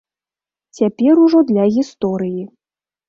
Цяпер ужо для гісторыі.